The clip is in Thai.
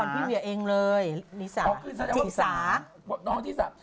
ละครพี่เวียเองเลยน้องที่สา